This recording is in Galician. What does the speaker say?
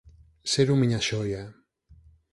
Ser un miñaxoia